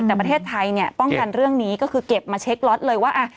แต่ประเทศไทยเนี่ยป้องกันเรื่องนี้ก็คือเก็บมาเช็คล็อตเลยว่า